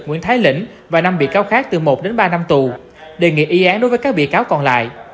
nguyễn thái lĩnh và năm bị cáo khác từ một đến ba năm tù đề nghị y án đối với các bị cáo còn lại